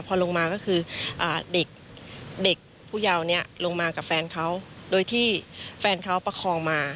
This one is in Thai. พอลงมาก็คือเด็กเด็กผู้ยาวเนี่ยลงมากับแฟนเขาโดยที่แฟนเขาประคองมา